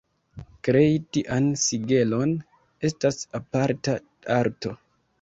Krei tian sigelon estas aparta arto.